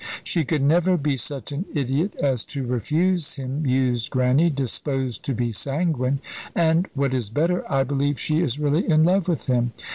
"She could never be such an idiot as to refuse him," mused Grannie, disposed to be sanguine; "and, what is better, I believe she is really in love with him.